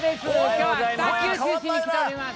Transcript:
きょうは北九州市に来ております。